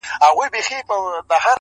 دا غزل مي رندانه او صوفیانه دی,